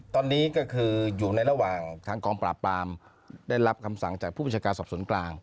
ตอนนี้ก็คืออยู่ในระหว่างทางกองปราบปรามได้รับคำสั่งจากผู้ประชาการสอบสวนกลาง